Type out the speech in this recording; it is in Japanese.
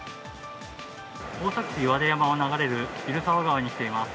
大崎市岩出山を流れる蛭沢川に来ています。